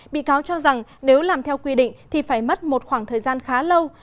bị cáo cho rằng nếu làm theo quy định thì phải mất một khoảng thời gian khá lâu